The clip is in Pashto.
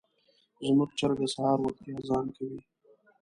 زموږ چرګه سهار وختي اذان کوي.